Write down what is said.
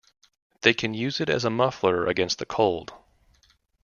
They can use it as a muffler against the cold.